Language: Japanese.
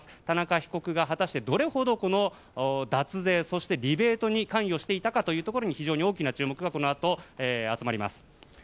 田中被告が果たしてどれほど脱税そしてリベートに関与していたかというところに非常に大きな注目が集まります。